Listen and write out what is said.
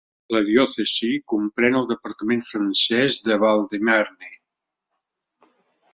La diòcesi comprèn el departament francès de Val-de-Marne.